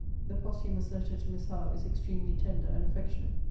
The posthumous letter to Miss Howe is extremely tender and affectionate.